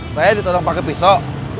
saya ditodong pakai pisau